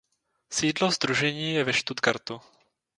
Sídlo sdružení je ve Stuttgartu.